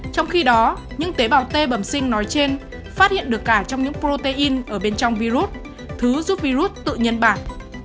trong khi đó những tế bào tê bẩm sinh nói trên phát hiện được cả trong những protein ở bên trong virus thứ giúp virus tự nhân bản